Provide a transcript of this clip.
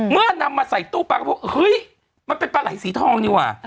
เมื่อนำมาใส่ตู้ปลาเขาพูดเฮ้ยมันเป็นปลาไหล่สีทองนี่ว่ะ